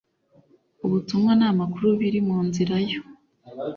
ubutumwa n amakuru biri mu nzira yo